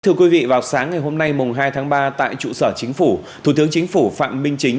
thưa quý vị vào sáng ngày hôm nay hai tháng ba tại trụ sở chính phủ thủ tướng chính phủ phạm minh chính